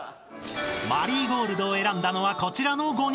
［『マリーゴールド』を選んだのはこちらの５人］